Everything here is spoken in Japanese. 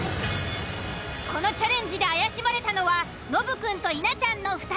このチャレンジで怪しまれたのはノブくんと稲ちゃんの２人。